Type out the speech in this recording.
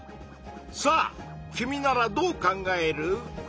さあ君ならどう考える？